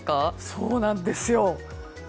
そうなんですよ。